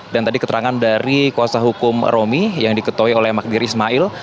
dan tadi keterangan dari kuasa hukum romi yang diketuai oleh magdir ismail